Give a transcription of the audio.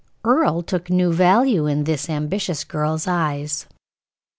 Earle took new value in this ambitious girl's eyes.